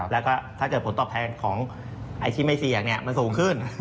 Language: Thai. แล้วก็ถ้าเกิดผลตอบแทนของไอ้ที่ไม่เสี่ยงมันสูงขึ้น